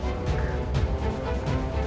aku punya rencana lebih baik